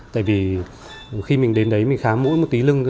tại vì khi mình đến đấy mình khám mũi một tí lưng